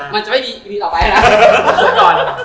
มันจะไม่มีอีกวิทย์ต่อไปแล้วนะ